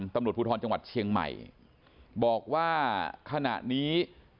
ตำรวจภูทรจังหวัดเชียงใหม่บอกว่าขณะนี้